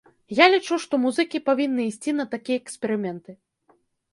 Я лічу, што музыкі павінны ісці на такія эксперыменты.